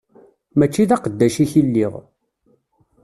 Mačči d aqeddac-ik i lliɣ.